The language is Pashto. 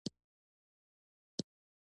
د شپې بي بي سي او امریکا غږ راډیو اوري.